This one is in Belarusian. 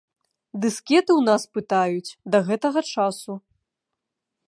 Дыскеты ў нас пытаюць да гэтага часу.